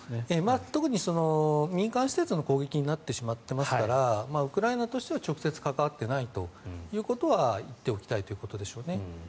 特に民間施設の攻撃になってしまっていますからウクライナとしては直接関わっていないということは言っておきたいということでしょうね。